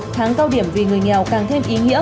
tháng cao điểm vì người nghèo càng thêm ý nghĩa